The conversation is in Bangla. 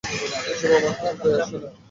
এসবে আমার কিছু যায় আসে না।